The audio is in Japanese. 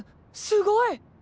すごい！